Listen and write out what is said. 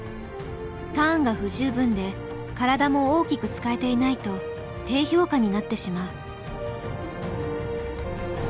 ターンが不十分で体も大きく使えていないと低評価になってしまう。